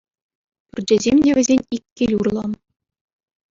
Пӳрчӗсем те вӗсен ик кил урлӑ.